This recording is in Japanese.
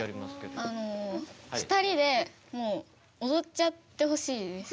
２人でもうおどっちゃってほしいです。